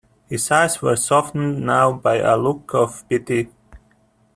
His eyes were softened now by a look of pity.